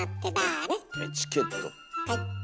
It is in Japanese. はい。